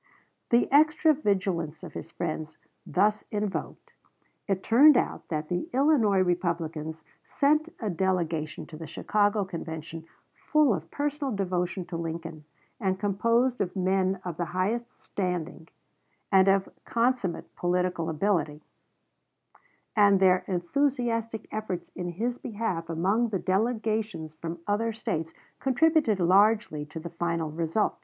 The extra vigilance of his friends thus invoked, it turned out that the Illinois Republicans sent a delegation to the Chicago Convention full of personal devotion to Lincoln and composed of men of the highest standing, and of consummate political ability, and their enthusiastic efforts in his behalf among the delegations from other States contributed largely to the final result.